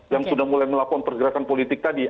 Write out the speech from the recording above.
yang sudah mulai melakukan pergerakan politik tadi